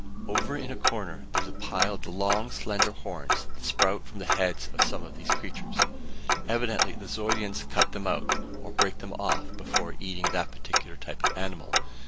"Over in a corner there's a pile of the long, slender horns that sprout from the heads of some of these creatures. Evidently the Zeudians cut them out, or break them off before eating that particular type of animal.